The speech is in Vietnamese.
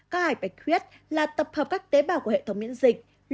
các hải bạch khuyết là tập hợp các tế bào của hệ thống miễn dịch